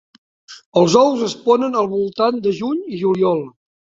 Els ous es ponen al voltant de juny i juliol.